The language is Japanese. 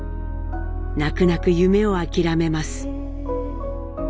泣く泣く夢を諦めます。